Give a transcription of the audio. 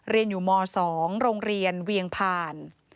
เรียนอยู่ม๒โรงเรียนเวียงผ่าน